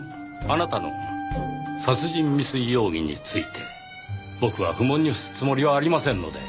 あなたの殺人未遂容疑について僕は不問に付すつもりはありませんので。